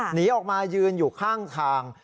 หนีออกมายืนอยู่ข้างทาง